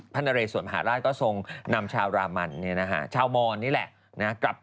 นเรสวนมหาราชก็ทรงนำชาวรามันชาวมอนนี่แหละ